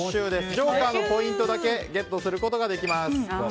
ジョーカーのポイントだけゲットすることができます。